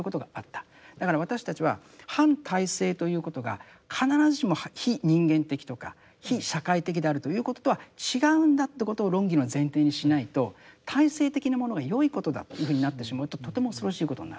だから私たちは反体制ということが必ずしも非人間的とか非社会的であるということとは違うんだってことを論議の前提にしないと体制的なものが良いことだというふうになってしまうととても恐ろしいことになる。